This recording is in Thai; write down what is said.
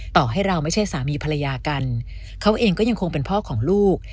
ต่อให้เราไม่ใช่สามีภรรยากันเขาเองก็ยังคงเป็นพ่อของลูก